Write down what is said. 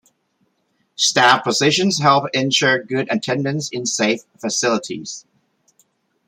Staff positions help ensure good attendance in safe facilities.